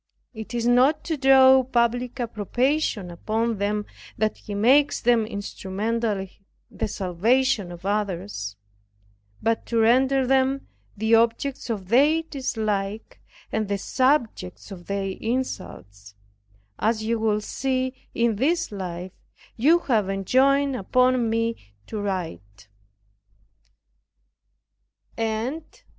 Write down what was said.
It is not to draw public approbation upon them, that He makes them instrumental in the salvation of others; but to render them the objects of their dislike and the subjects of their insults; as you will see in this life you have enjoined upon me to write.